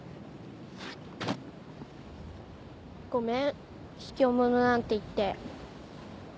ごめんひきょう者なんて言って。